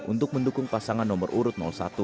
untuk mendukung pasangan nomor urut satu